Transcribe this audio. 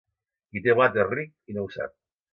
Qui té blat és ric i no ho sap.